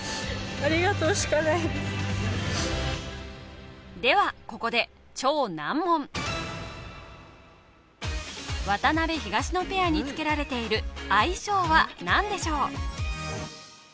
ありがとうという声ではここで超難問渡辺・東野ペアにつけられている愛称は何でしょう？